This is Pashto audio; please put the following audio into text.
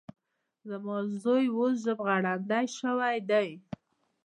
زما زوی اوس ژبغړاندی شوی دی.